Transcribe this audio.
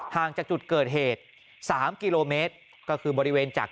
ห่างจากจุดเกิดเหตุ๓กิโลเมตรก็คือบริเวณจาก